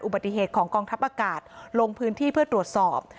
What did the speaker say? อุบัติเหตุของกองทัพอากาศลงพื้นที่เพื่อตรวจสอบ